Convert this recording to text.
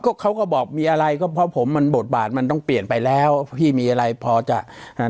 ก็เขาก็บอกมีอะไรก็เพราะผมมันบทบาทมันต้องเปลี่ยนไปแล้วพี่มีอะไรพอจะอ่า